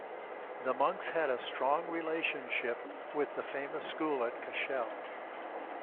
The monks had a strong relationship with the famous school at Cashel.